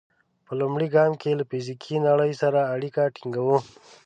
په لومړي ګام کې له فزیکي نړۍ سره اړیکه ټینګوو.